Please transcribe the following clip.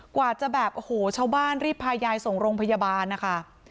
กว่าจะแบบโอ้โหชาวบ้านรีบพายายส่งโรงพยาบาลนะคะ